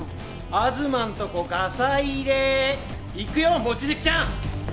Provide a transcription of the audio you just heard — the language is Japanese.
東んとこガサ入れ行くよ望月ちゃん！